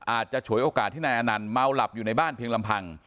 ฉวยโอกาสที่นายอนันต์เมาหลับอยู่ในบ้านเพียงลำพัง